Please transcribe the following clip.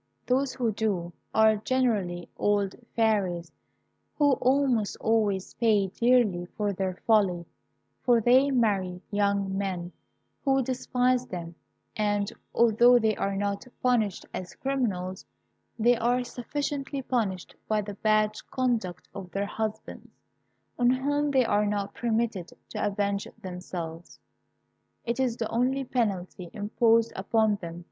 Those who do are generally old fairies, who almost always pay dearly for their folly; for they marry young men, who despise them, and, although they are not punished as criminals, they are sufficiently punished by the bad conduct of their husbands, on whom they are not permitted to avenge themselves. "It is the only penalty imposed upon them.